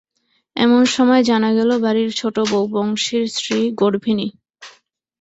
এমন সময় জানা গেল, বাড়ির ছোটোবউ, বংশীর স্ত্রী গর্ভিণী।